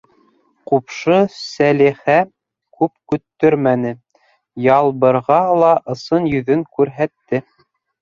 Ҡупшы Сәлихә күп көттөрмәне, Ялбырға ла ысын йөҙөн күрһәтте.